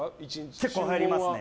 結構入りますね。